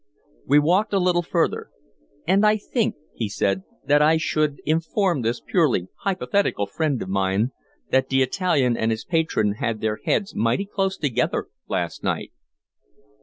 We walked a little further. "And I think," he said, "that I should inform this purely hypothetical friend of mine that the Italian and his patron had their heads mighty close together, last night."